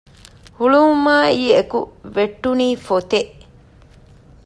ހުޅުވުމާއިއެކު ވެއްޓުނީ ފޮތެއް